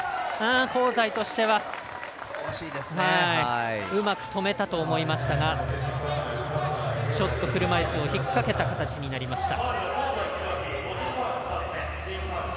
香西としてはうまく止めたと思いましたが車いすを引っ掛けた形になりました。